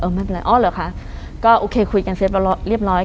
ไม่เป็นไรอ๋อเหรอคะก็โอเคคุยกันเสร็จเรียบร้อย